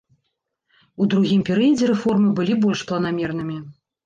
У другім перыядзе рэформы былі больш планамернымі.